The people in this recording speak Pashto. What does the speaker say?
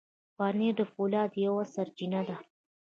پنېر د فولاد یوه سرچینه ده.